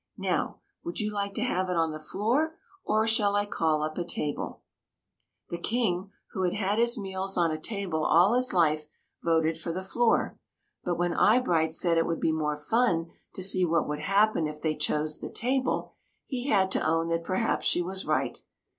Now, would you like to have it on the floor, or shall I call up a table ?" 36 THE MAGICIAN'S TEA PARTY The King, who had had his meals on a table all his life, voted for the floor ; but when Eye bright said it would be more fun to see what would happen if they chose the table, he had to own that perhaps she was right.